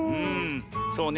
そうね。